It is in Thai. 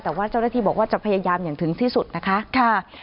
แต่ว่าเจ้าหน้าที่บอกว่าจะพยายามอย่างถึงที่สุดนะคะ